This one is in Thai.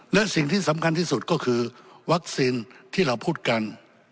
และสิ่งที่สำคัญที่สุดก็คือวัคซีนที่เราพูดกัน